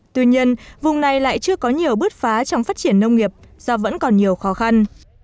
tuy nhiên vùng này lại chưa có nhiều bước phá trong phát triển nông nghiệp do vẫn còn nhiều khó khăn